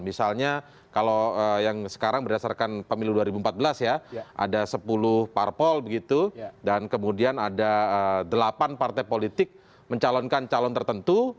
misalnya kalau yang sekarang berdasarkan pemilu dua ribu empat belas ya ada sepuluh parpol begitu dan kemudian ada delapan partai politik mencalonkan calon tertentu